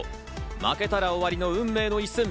負けたら終わりの運命の一戦。